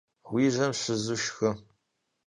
Уи жьэм щызу шхы.